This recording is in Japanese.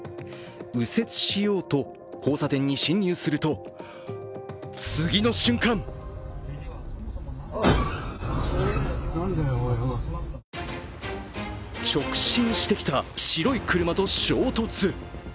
右折しようと交差点に進入すると次の瞬間直進してきた白い車と衝突。